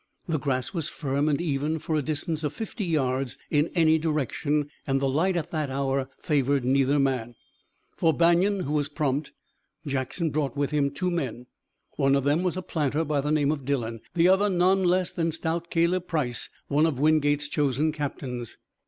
The grass was firm and even for a distance of fifty yards in any direction, and the light at that hour favored neither man. For Banion, who was prompt, Jackson brought with him two men. One of them was a planter by name of Dillon, the other none less than stout Caleb Price, one of Wingate's chosen captains.